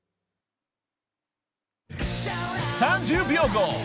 ［３０秒後］